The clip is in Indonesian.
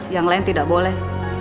yang lain tidak boleh